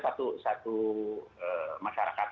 itu satu masyarakat